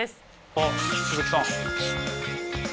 あっ鈴木さん。